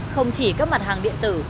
không chỉ các mặt hàng điện tử